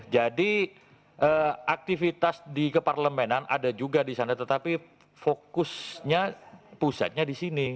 jadi aktivitas di keparlemenan ada juga di sana tetapi fokusnya pusatnya di sini